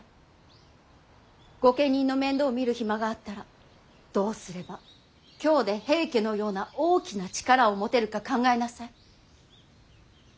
御家人の面倒を見る暇があったらどうすれば京で平家のような大きな力を持てるか考えなさい。